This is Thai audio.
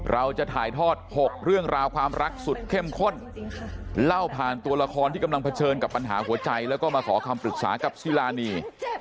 เราจะถ่ายทอด๖เรื่องราวความรักสุดเข้มข้นเล่าผ่านตัวละครที่กำลังเผชิญกับปัญหาหัวใจแล้วก็มาขอคำปรึกษากับซีรานี